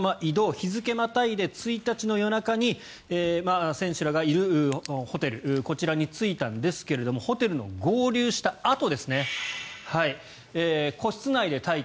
日付またいで１日の夜中に選手らがいるホテルこちらに着いたんですがホテルで合流したあと個室内で待機。